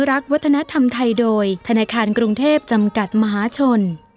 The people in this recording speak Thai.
รักษ์วัฒนธรรมไทยโดยธนาคารกรุงเทพจำกัดมหาชน